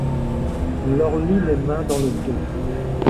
On leur lie les mains dans le dos.